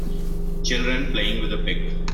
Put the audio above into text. Children playing with a pig